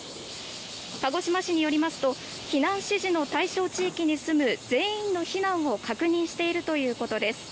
鹿児島市によりますと避難指示の対象地域に住む全員の避難を確認しているということです。